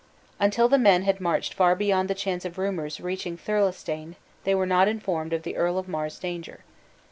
Until the men had marched far beyond the chance of rumors reaching Thirlestane, they were not informed of the Earl of Mar's danger.